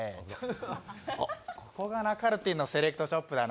ここがなかるてぃんのセレクトショップだな。